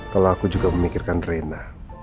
kalau aku juga memikirkan reina